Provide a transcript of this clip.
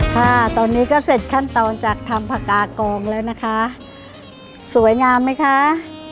ค่ะตอนนี้ก็เสร็จขั้นตอนจากทำผักกากองแล้วนะคะสวยงามไหมคะ